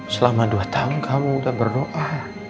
selama dua tahun kamu sudah berdoa